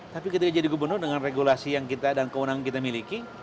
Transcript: tapi kita jadi gubernur dengan regulasi yang kita dan keunangan yang kita miliki